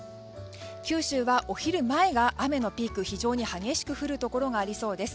九州は、お昼前が雨のピーク非常に激しく降るところがありそうです。